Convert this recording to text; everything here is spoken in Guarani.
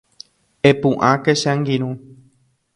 Epu'ãke che angirũ